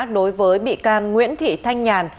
đối với bị can nguyễn thị thanh nhàn